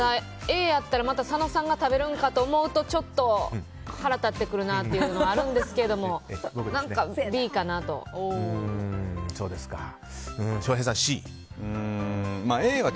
Ａやったら佐野さんが食べると思うとちょっと腹立ってくるなっていうのあるんですけど翔平さんはＣ。